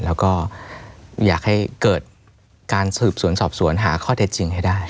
แล้วก็อยากให้เกิดการสืบสวนสอบสวนหาข้อเท็จจริงให้ได้